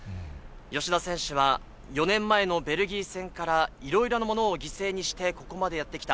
吉田選手は、４年前のベルギー戦から、いろいろなものを犠牲にしてここまでやってきた。